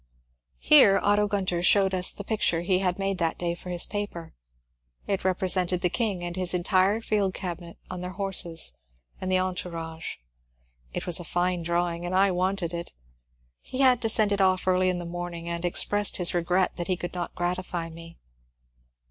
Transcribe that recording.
Here Otto Ghinther showed us the picture he had made that day for his paper. It represented the King and his entire Field Cabinet on their horses and the entour age. It was a fine drawing and I wanted it. He had to send it off early in the morning and expressed his regret that he could not gratify me.